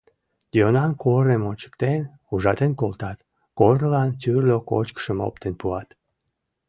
Йӧнан корным ончыктен, ужатен колтат, корнылан тӱрлӧ кочкышым оптен пуат.